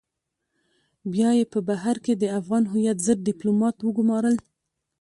بيا يې په بهر کې د افغان هويت ضد ډيپلومات وگمارل.